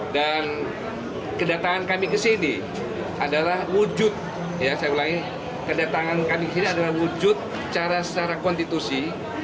kedatangan kami ke sini adalah wujud saya ulangi kedatangan kami ke sini adalah wujud cara secara konstitusi